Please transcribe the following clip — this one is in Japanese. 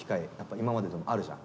今まででもあるじゃん。